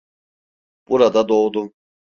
Burada doğdum.